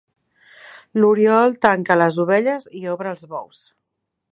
L'oriol tanca les ovelles i obre els bous.